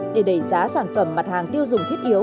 để đẩy giá sản phẩm mặt hàng tiêu dùng thiết yếu